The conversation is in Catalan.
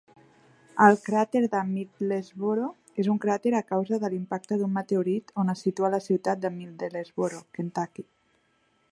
El cràter de Middlesboro és un cràter a causa del impacte d'un meteorit on es situa la ciutat de Middlesboro, Kentucky.